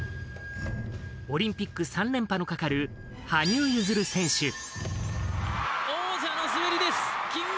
オリンピック３連覇のかかる羽生結弦選手。